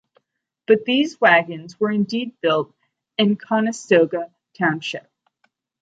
But these wagons were indeed built in Conestoga Township.